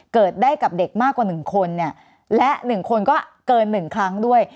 เกิดได้กับเด็กมากกว่าหนึ่งคนเนี่ยและหนึ่งคนก็เกินหนึ่งครั้งด้วย